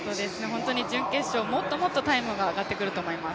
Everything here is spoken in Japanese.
準決勝、もっともっとタイムが上がってくると思います。